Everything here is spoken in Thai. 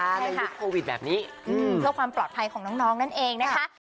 ในยุคโควิดแบบนี้เพื่อความปลอดภัยของน้องนั่นเองนะคะ